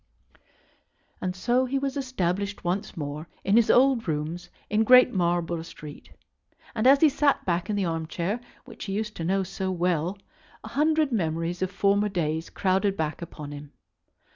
"] And so he was established once more in his old rooms in Great Marlborough Street; and as he sat back in the arm chair, which he used to know so well, a hundred memories of former days crowded back upon him.